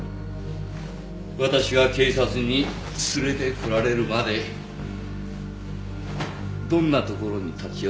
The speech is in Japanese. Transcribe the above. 私が警察に連れてこられるまでどんなところに立ち寄ったか